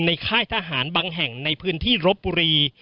ค่ายทหารบางแห่งในพื้นที่รบบุรี